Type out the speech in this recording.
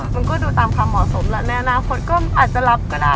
มันก็ดูตามความเหมาะสมแหละในอนาคตก็อาจจะรับก็ได้